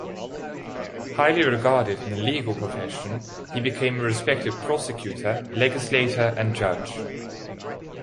Highly regarded in the legal profession, he became a respected prosecutor, legislator, and judge.